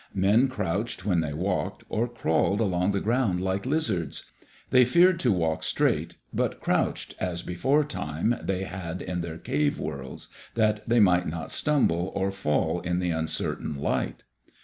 Men crouched when they walked, or crawled along the ground like lizards. They feared to walk straight, but crouched as before time they had in their cave worlds, that they might not stumble or fall in the uncertain light.